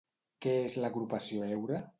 Què és l'agrupació Heura?